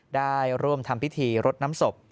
ได้ร่วมทำพิธีรดน้ำศพ